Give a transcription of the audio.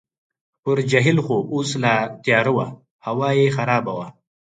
پر جهیل خو اوس لا تیاره وه، هوا یې خرابه وه.